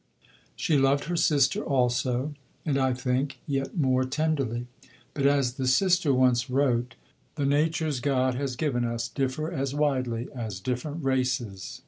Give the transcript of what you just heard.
She loved her sister also, and, I think, yet more tenderly. But as the sister once wrote: "The natures God has given us differ as widely as different races."